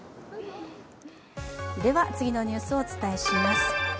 では、次のニュースをお伝えします。